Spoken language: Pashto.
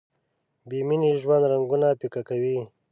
بې مینې ژوند رنګونه پیکه کوي.